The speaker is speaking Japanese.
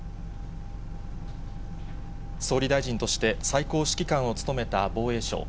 総理大臣として最高指揮官を務めた防衛省。